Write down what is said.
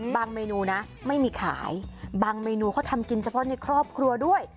เมนูนะไม่มีขายบางเมนูเขาทำกินเฉพาะในครอบครัวด้วย